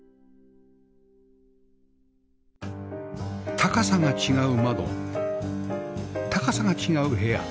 高さが違う窓高さが違う部屋